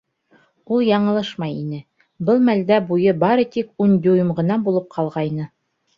Ул яңылышмай ине —был мәлдә буйы бары тик ун дюйм ғына булып ҡалғайны.